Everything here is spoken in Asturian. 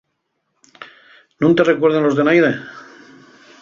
¿Nun te recuerden los de naide?